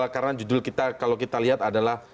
karena judul kita kalau kita lihat adalah